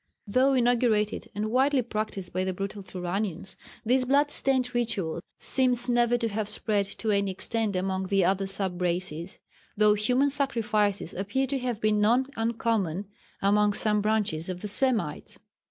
Though inaugurated and widely practised by the brutal Turanians, this blood stained ritual seems never to have spread to any extent among the other sub races, though human sacrifices appear to have been not uncommon among some branches of the Semites.